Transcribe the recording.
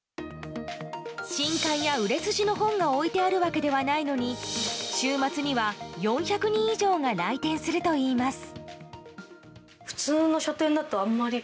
新刊や売れ筋の本が置いてあるわけではないのに週末には４００人以上が来店するといいます。